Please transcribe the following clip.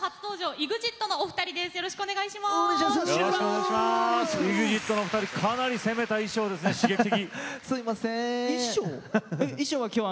ＥＸＩＴのお二人攻めた衣装ですね、刺激的。